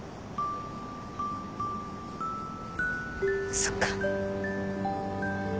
そっか。